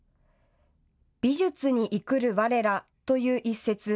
美術に生くる吾らという一節。